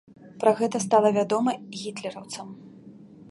Пра гэта стала вядома гітлераўцам.